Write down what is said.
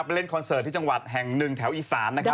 เล่นคอนเสิร์ตที่จังหวัดแห่งหนึ่งแถวอีสานนะครับ